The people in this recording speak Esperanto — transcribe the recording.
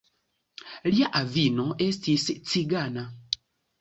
Lia avino estis cigana.